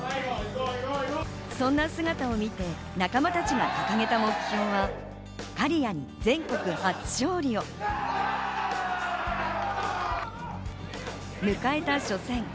そんな姿を見て、仲間たちが掲げた目標は、苅谷に全国初勝利を迎えた初戦。